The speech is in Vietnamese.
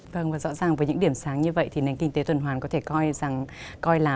vâng và rõ ràng với những điểm sáng như vậy thì nền kinh tế tuần hoàn có thể coi rằng coi là